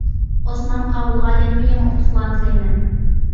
ئوسمان قاۋۇلغا يەنىمۇ يېڭى ئۇتۇقلارنى تىلەيمەن.